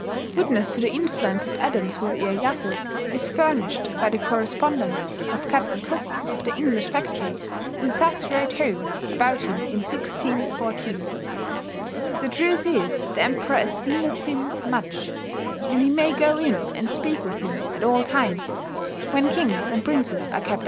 ... Witness to the influence of Adams with Iyeyasu is furnished by the correspondence of Captain Cock, of the English factory, who thus wrote home about him in 1614: "The truth is the Emperour esteemeth hym much, and he may goe in and speake with hym at all times, when kynges and princes are kept ovt."